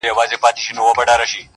علم اخلاق او د انسان عزت ته وايي